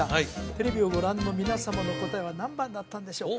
テレビをご覧の皆様の答えは何番だったんでしょう？